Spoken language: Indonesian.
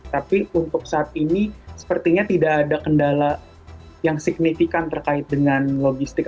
tapi untuk saat ini sepertinya tidak ada kendala yang signifikan terkait dengan logistik